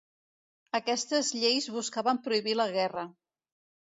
Aquestes lleis buscaven prohibir la guerra.